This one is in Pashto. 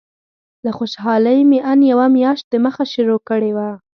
له خوشالۍ مې ان یوه میاشت دمخه شروع کړې وه.